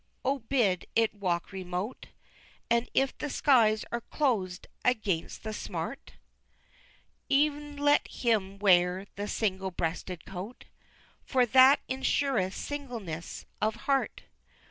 Oh, bid it walk remote! And if the skies are clos'd against the smart, Ev'n let him wear the single breasted coat, For that ensureth singleness of heart.